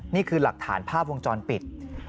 นี่คือหลักฐานภาพวงจรปิด